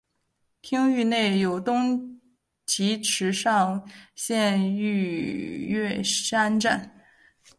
町域内有东急池上线御岳山站。